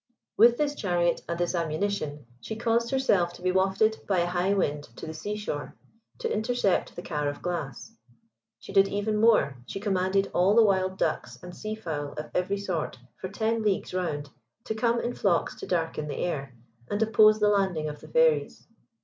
With this chariot and this ammunition she caused herself to be wafted by a high wind to the sea shore, to intercept the car of glass. She did even more she commanded all the wild ducks and sea fowl of every sort for ten leagues round to come in flocks to darken the air, and oppose the landing of the Fairies.